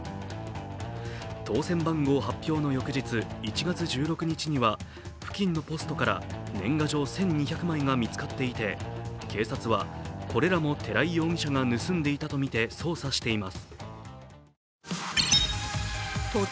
当選番号発表の翌日、１月１６日には付近のポストから年賀状１２００枚が見つかっていて警察は、これらも寺井容疑者が盗んでいたとみて捜査しています。